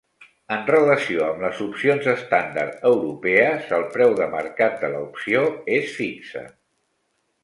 En relació amb les opcions estàndard europees, el preu de mercat de la opció és fixe.